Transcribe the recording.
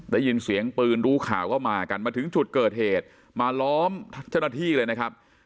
ได้ยินเสียงปืนรู้ข่าวก็มากันมาถึงจุดเกิดเหตุมาล้อมเจ้าหน้าที่เลยนะครับ